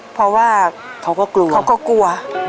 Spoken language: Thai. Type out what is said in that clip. เพราะว่าเขาก็กลัว